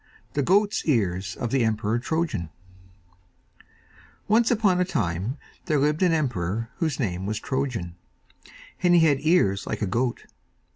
THE GOAT'S EARS OF THE EMPEROR TROJAN Once upon a time there lived an emperor whose name was Trojan, and he had ears like a goat.